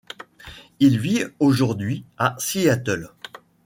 Il vit aujourd’hui à Seattle.